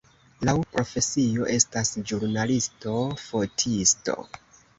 Laŭ profesio estas ĵurnalisto-fotisto.